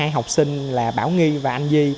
hai học sinh là bảo nghi và anh di